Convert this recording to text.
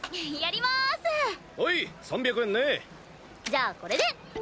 じゃあこれで。